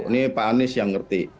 ini pak anies yang ngerti